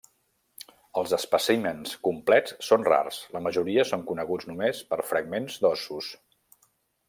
Els espècimens complets són rars; la majoria són coneguts només per fragments d'ossos.